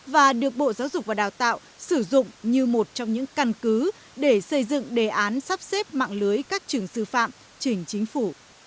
và được bộ giáo dục và đào tạo sử dụng như một trong những căn cứ để xây dựng đề án sắp xếp mạng lưới các trường sư phạm chỉnh chính phủ